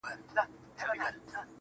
گرېـوانـونه به لانــــده كـــــــــړم.